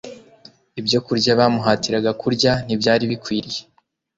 Ibyokurya bamuhatiraga kurya ntibyari bikwiriye